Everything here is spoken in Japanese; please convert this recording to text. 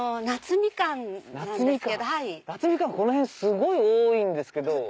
夏みかんこの辺すごい多いんですけど。